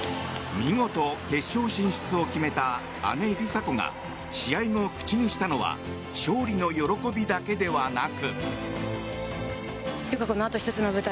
見事、決勝進出を決めた姉・梨紗子が試合後、口にしたのは勝利の喜びだけではなく。